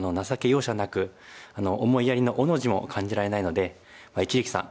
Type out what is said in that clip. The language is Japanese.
容赦なく思いやりの「お」の字も感じられないので一力さん